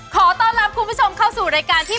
ขอต้อนรับคุณผู้ชมเข้าสู่รายการที่